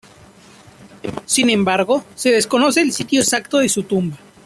Sin embargo, se desconoce el sitio exacto de su tumba.